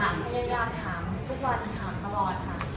ถามเรียยะถามทุกวันถามตลอดค่ะ